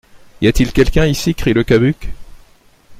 Y a-t-il quelqu'un ici ? crie Le Cabuc.